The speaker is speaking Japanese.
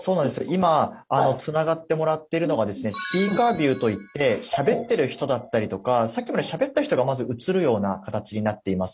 今つながってもらってるのがですね「スピーカービュー」といってしゃべってる人だったりとかさっきまでしゃべった人がまず映るような形になっています。